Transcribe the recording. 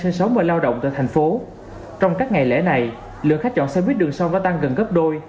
sinh sống và lao động tại thành phố trong các ngày lễ này lượng khách chọn xe buýt đường sông đã tăng gần gấp đôi